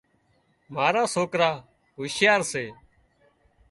مارا سوڪرا هوشيار سي